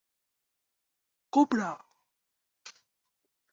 Cobra!